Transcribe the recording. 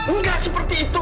enggak seperti itu